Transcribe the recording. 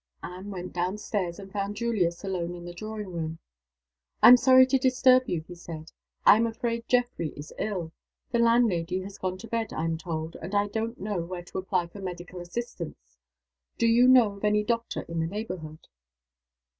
Anne went down stairs, and found Julius alone in the drawing room. "I am sorry to disturb you," he said. "I am afraid Geoffrey is ill. The landlady has gone to bed, I am told and I don't know where to apply for medical assistance. Do you know of any doctor in the neighborhood?"